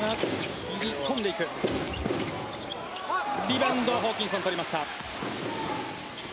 リバウンドはホーキンソン取りました。